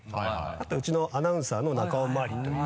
あとウチのアナウンサーの中尾真亜理という。